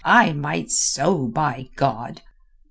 I might so by God!"